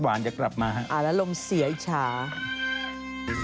เดี๋ยวกลับมาฮะอ้าวแล้วลมเสียอีกช้านะแล้วลมเสียอีกช้า